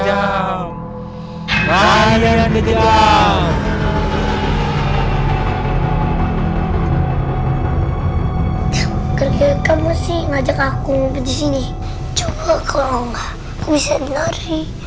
hai banyak ketika kamu sih ngajak aku disini coba kalau nggak bisa lari